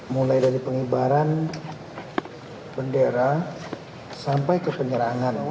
mulai dari pengibaran bendera sampai ke penyerangan